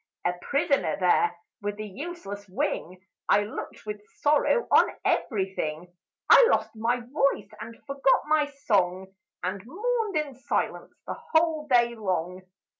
"A prisoner there, with a useless wing, I looked with sorrow on every thing; I lost my voice, and forgot my song, And mourned in silence, the whole day long.